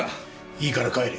いいから帰れ。